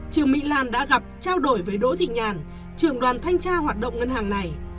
trương mỹ lan đã gặp trao đổi với đỗ thị nhàn trường đoàn thanh tra hoạt động ngân hàng này